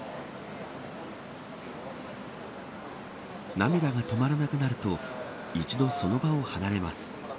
涙が止まらなくなると一度、その場を離れます。